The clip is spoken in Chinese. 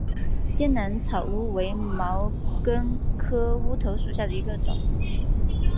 滇南草乌为毛茛科乌头属下的一个种。